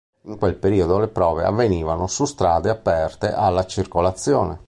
In quel periodo le prove avvenivano su strade aperte alla circolazione.